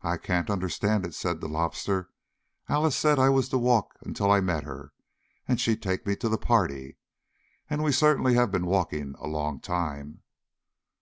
"I can't understand it," said the Lobster. "Alice said I was to walk until I met her, and she'd take me to the party. And we certainly have been walking a long time."